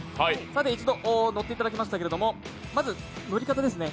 一度乗っていただきましたけれども、まず乗り方ですね。